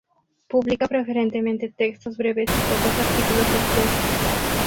Publica preferentemente textos breves y pocos artículos extensos.